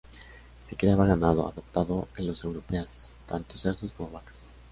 Se criaba ganado, adoptado de los europeas, tanto cerdos como vacas.